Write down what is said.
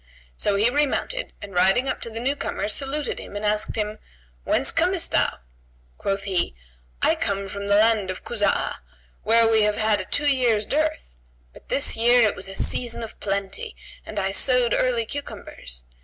So he remounted and riding up to the new comer, saluted him and asked him, "Whence comest thou?" Quoth he, "I come from the land of Kuzб'ah, where we have had a two years' dearth; but this year it was a season of plenty and I sowed early cucumbers.